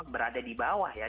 berada di bawah ya